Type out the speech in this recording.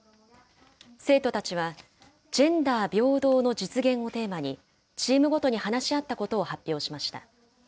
生徒たちはジェンダー平等の実現をテーマに、チームごとに話し合ったことを発表しました。